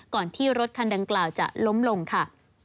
ก่อนที่รถคันดังกล่าวจะล้มลงค่ะ